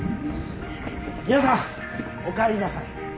皆さんおかえりなさい。